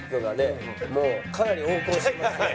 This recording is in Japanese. もうかなり横行してますので。